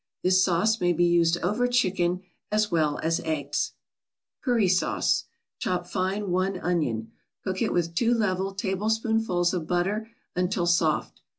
This sauce may be used over chicken as well as eggs. CURRY SAUCE Chop fine one onion. Cook it with two level tablespoonfuls of butter until soft.